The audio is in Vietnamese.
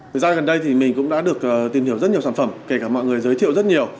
thời gian gần đây thì mình cũng đã được tìm hiểu rất nhiều sản phẩm kể cả mọi người giới thiệu rất nhiều